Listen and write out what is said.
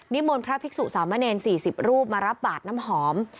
มนต์พระภิกษุสามเณร๔๐รูปมารับบาดน้ำหอม